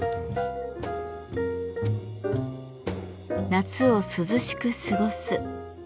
夏を涼しく過ごす。